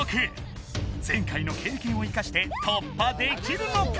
前回の経験を生かして突破できるのか？